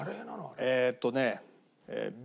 えっとね。